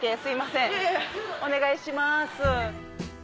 お願いします。